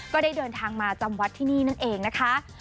ก็ได้เดินทางมาจำวัดที่นี่นั่นเองนะคะ